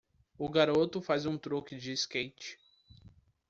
O garoto faz um truque de skate.